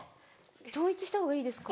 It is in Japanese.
統一した方がいいですか？